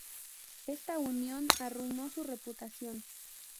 Esta unión arruinó su reputación.